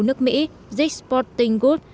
của nước mỹ dick s sporting goods